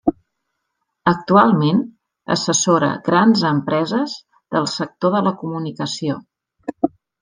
Actualment, assessora grans empreses del sector de la comunicació.